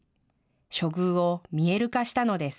処遇を見える化したのです。